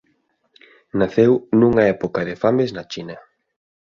Naceu nunha época de fames na China.